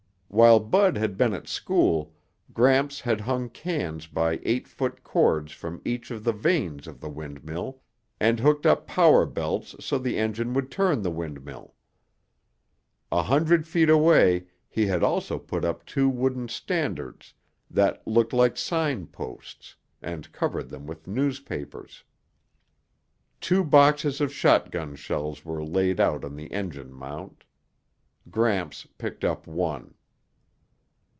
While Bud had been at school, Gramps had hung cans by eight foot cords from each of the vanes of the windmill and hooked up power belts so the engine would turn the windmill. A hundred feet away he had also put up two wooden standards that looked like sign posts and covered them with newspapers. Two boxes of shotgun shells were laid out on the engine mount. Gramps picked up one.